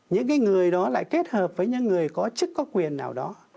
những người đó lại kết hợp với những người có chức có quyền nào đó